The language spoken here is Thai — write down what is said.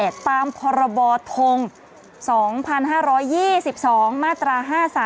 ตามพศ๒๕๒๒มาตรา๕๓๕๔